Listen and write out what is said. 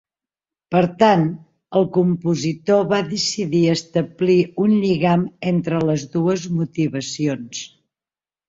Per tant, el compositor va decidir establir un lligam entre les dues motivacions.